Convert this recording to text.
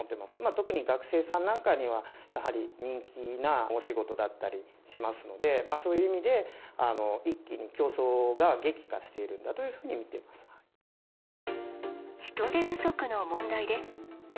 特に学生さんなんかには、やはり人気なお仕事だったりしますので、そういう意味で一気に競争が激化しているんだというふうに見てい人手不足の問題です。